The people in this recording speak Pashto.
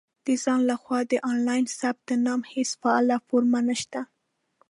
• د ځان له خوا د آنلاین ثبت نام هېڅ فعاله فورم نشته.